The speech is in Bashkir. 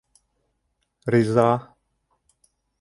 — Риза-а-а!!!